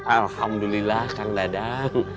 alhamdulillah kang dadang